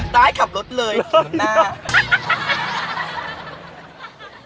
ตายขับรถเลยหน้า